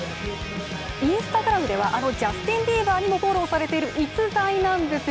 Ｉｎｓｔａｇｒａｍではあのジャスティン・ビーバーにもフォローされている逸材なんですよ。